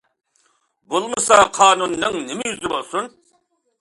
بولمىسا قانۇننىڭ نېمە يۈزى بولسۇن؟ !